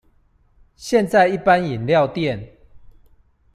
現在一般飲料店